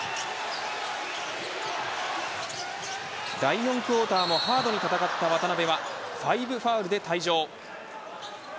第４クオーターもハードに戦った渡邉５ファウルで退場。